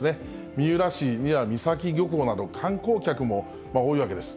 三浦市には、三崎漁港など、観光客も多いわけです。